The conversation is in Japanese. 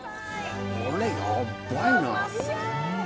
これ、やっばいな。